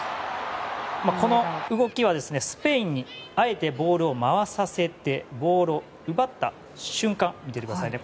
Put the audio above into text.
この動きはスペインにあえてボールを回させてボールを奪った瞬間見ててくださいね。